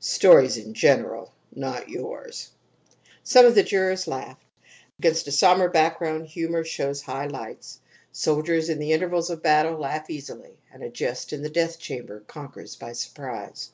"Stories in general not yours." Some of the jurors laughed. Against a sombre background humor shows high lights. Soldiers in the intervals of battle laugh easily, and a jest in the death chamber conquers by surprise.